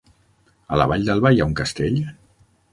A la Vall d'Alba hi ha un castell?